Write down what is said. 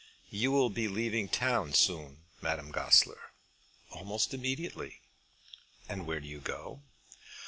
"You will be leaving town soon, Madame Goesler?" "Almost immediately." "And where do you go?"